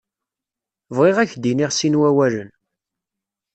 Bɣiɣ ad k-d-iniɣ sin wawalen.